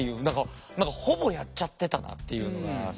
何かほぼやっちゃってたなっていうのが。